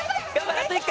あと１回！」